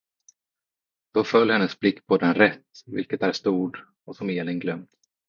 Då föll hennes blick på den rätt, vilken där stod, och som Elin glömt.